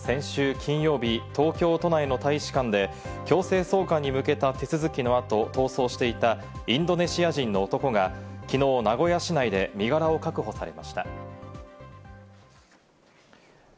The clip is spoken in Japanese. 先週金曜日、東京都内の大使館で強制送還に向けた手続きの後、逃走していたインドネシア人の男が昨日、名古屋市内で身柄を確保されました。